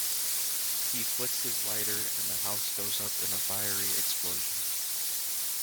He flicks his lighter and the house goes up in a fiery explosion.